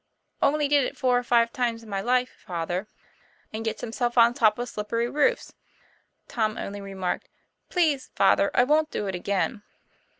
' Only did it four or five times in my life, father." ' And gets himself on top of slippery roofs." Tom only remarked: 'Please, father, I wont do it again."